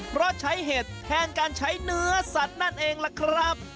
เพราะใช้เห็ดแทนการใช้เนื้อสัตว์นั่นเองล่ะครับ